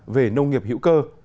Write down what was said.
về nông nghiệp hữu cơ